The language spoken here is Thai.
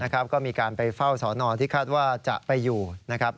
ก็มีการไปเฝ้าสอนอนที่คาดว่าจะไปอยู่นะครับ